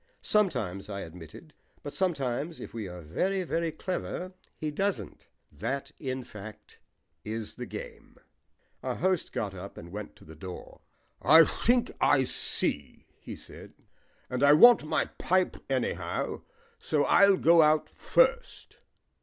"Sometimes," I admitted. "But sometimes, if we are very, very clever, he doesn't. That, in fact, is the game." Our host got up and went to the door. "I think I see," he said; "and I want my pipe anyhow. So I'll go out first."